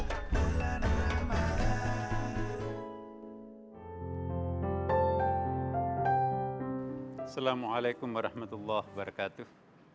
assalamualaikum warahmatullahi wabarakatuh